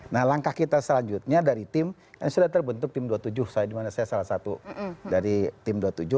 nah langkah kita selanjutnya dari tim kan sudah terbentuk tim dua puluh tujuh saya dimana saya salah satu dari tim dua puluh tujuh